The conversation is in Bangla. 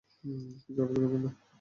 কিছু অর্ডার করবেন?